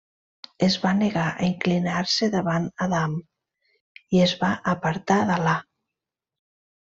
Es va negar a inclinar-se davant Adam i es va apartar d'Al·là.